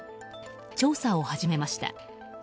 調査を始めました。